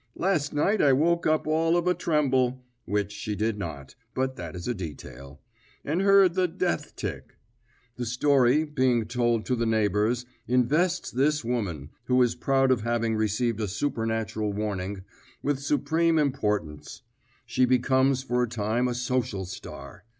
Last night I woke up all of a tremble' (which, she did not, but that is a detail) 'and heard the death tick!' The story, being told to the neighbours, invests this woman, who is proud of having received a supernatural warning, with supreme importance. She becomes for a time a social star.